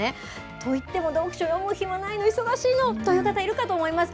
といっても、読書、読む暇ないの、忙しいのという人、いるかと思います。